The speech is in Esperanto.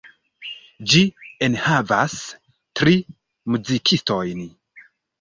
Ĝi enhavas tri muzikistojn.